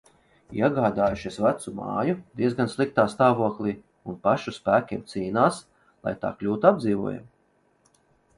Iegādājušies vecu māju, diezgan sliktā stāvoklī, un pašu spēkiem cīnās, lai tā kļūtu apdzīvojama.